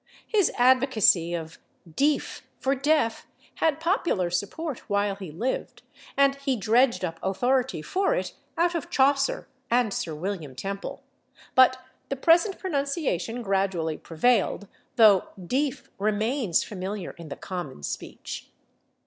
His advocacy of /deef/ for /deaf/ had popular support while he lived, and he dredged up authority for it out of Chaucer and Sir William Temple, but the present pronunciation gradually prevailed, though /deef/ remains familiar in the common speech.